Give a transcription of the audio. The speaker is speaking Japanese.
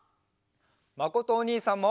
まことおにいさんも！